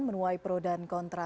menuai pro dan kontra